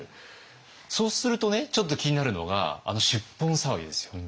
そうするとねちょっと気になるのがあの出奔騒ぎですよ。